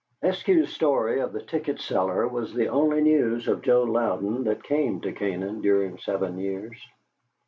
Eskew's story of the ticket seller was the only news of Joe Louden that came to Canaan during seven years.